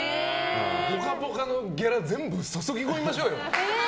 「ぽかぽか」のギャラ全部注ぎ込みましょうよ。